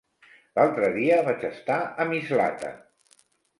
L'altre dia vaig estar a Mislata.